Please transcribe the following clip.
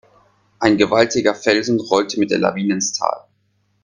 Ein gewaltiger Felsen rollte mit der Lawine ins Tal.